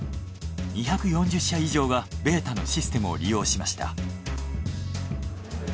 ２４０社以上がベータのシステムを利用しました。